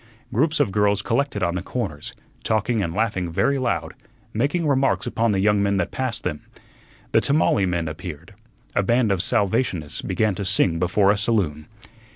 Groups of girls collected on the corners, talking and laughing very loud, making remarks upon the young men that passed them. The tamale men appeared. A band of Salvationists began to sing before a saloon.